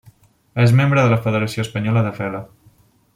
És membre de la Federació Espanyola de Vela.